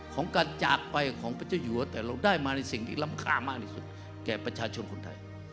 ของการจากไปของพระเจ้าอยู่แต่เราได้มาในสิ่งที่รำคามากที่สุดแก่ประชาชนคนไทย